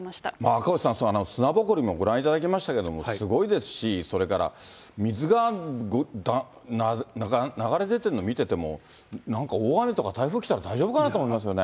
赤星さん、砂ぼこりもご覧いただきましたけれども、すごいですし、それから水が流れ出てるの見てても、なんか大雨とか台風来たら、大丈夫かなと思いますよね。